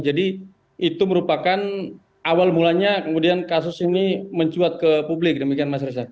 jadi itu merupakan awal mulanya kemudian kasus ini mencuat ke publik demikian mas resa